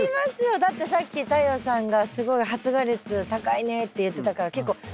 だってさっき太陽さんがすごい発芽率高いねって言ってたから結構密集してるじゃないですか。